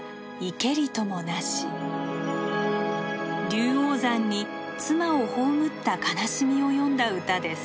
龍王山に妻を葬った悲しみを詠んだ歌です。